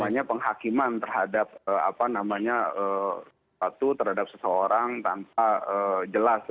namanya penghakiman terhadap apa namanya satu terhadap seseorang tanpa jelas